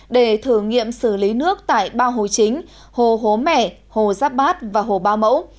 để thử nghiệm xử lý nước tại ba hồ chính hồ hố mẹ hồ giáp bát và hồ ba mẫu